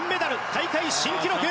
大会新記録！